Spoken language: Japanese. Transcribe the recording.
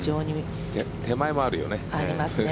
手前もあるよね。